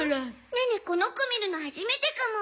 ネネこの子見るの初めてかも。